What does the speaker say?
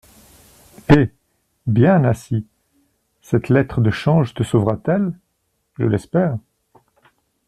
Eh ! bien, Nasie, cette lettre de change te sauvera-t-elle ? Je l'espère.